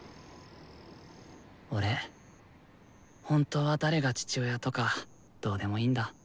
俺本当は誰が父親とかどうでもいいんだ。